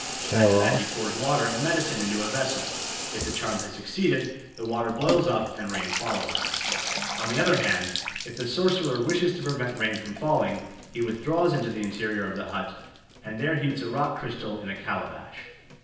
After that he pours water and medicine into a vessel; if the charm has succeeded, the water boils up and rain follows. On the other hand, if the sorcerer wishes to prevent rain from falling, he withdraws into the interior of the hut, and there heats a rock crystal in a calabash.